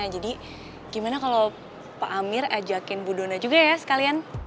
jadi gimana kalau pak amir ajakin bu dona juga ya sekalian